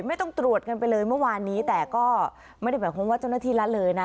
ไม่ต้องตรวจกันไปเลยเมื่อวานนี้แต่ก็ไม่ได้หมายความว่าเจ้าหน้าที่ละเลยนะ